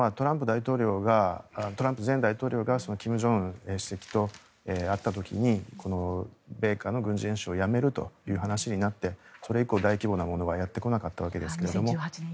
トランプ前大統領が金正恩主席と会った時に米韓の軍事演習をやめるという話になってそれ以降、大規模なものはやってこなかったわけですが。